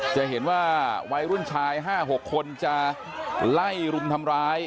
จะเห็นว่าวัยรุ่นชาย๕๖คนจะไล่รุมทำร้าย